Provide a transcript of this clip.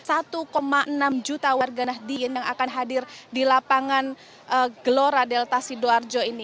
ada satu enam juta warga nahdien yang akan hadir di lapangan gelora delta sidoarjo ini